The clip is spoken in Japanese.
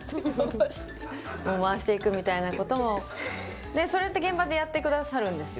回していくみたいなことも、そうやって現場でやってくださるんですよ。